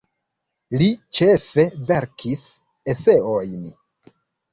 Li ĉefe verkis eseojn.